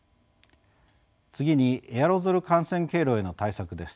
次にエアロゾル感染経路への対策です。